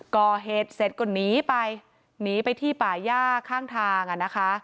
ก่อเหตุเสร็จก็หนีไปหนีไปที่ป่าย่าข้างทางอ่ะนะคะ